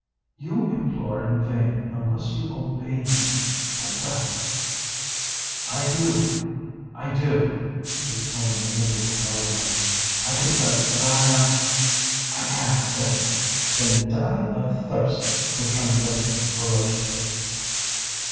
"You implore in vain, unless you obey me. Confess——" "I do—I do!" exclaimed the miserable nobleman. "I confess that I am—I cannot say it!" "Then die of thirst!" returned Lydia, ferociously.